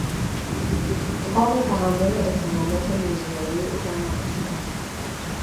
تاب تحمل اتهامات موذیانهی او را نداشتم!